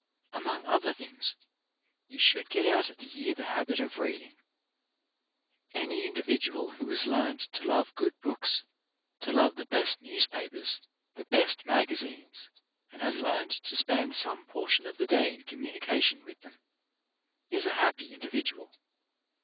Among other things, you should get out of the year the habit of reading. Any individual who has learned to love good books, to love the best newspapers, the best magazines, and has learned to spend some portion of the day in communication with them, is a happy individual.